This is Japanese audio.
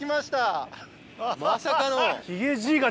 まさかの。